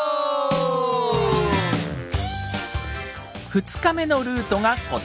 ２日目のルートがこちら。